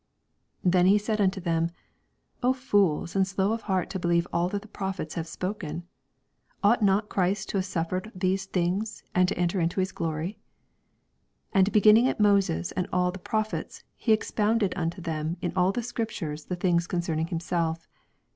25 Then he said unto them, O fools, and slow of heart to believe all that the prophets have spoken : 26 Ought not Christ to have suffer ed tliese tilings, and to enter into his glory ? 27 And beginning at Moses and all the Prophets, he expounded unto them in all the Scriptures the things concerning himself.